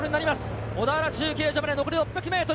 小田原中継所まで残り６００ｍ。